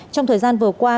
trong thời gian vừa qua